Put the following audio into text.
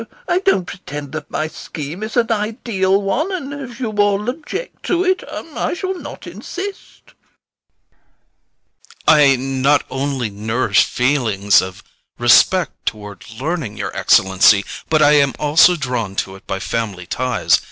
I don't pretend that my scheme is an ideal one, and if you all object to it I shall not insist. [A pause.] TELEGIN. [With embarrassment] I not only nourish feelings of respect toward learning, your Excellency, but I am also drawn to it by family ties.